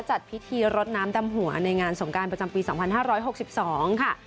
จัดพิธีรดน้ำดำหัวในงานสงการประจำปี๒๕๖๒ค่ะ